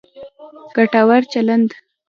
ګټور چلند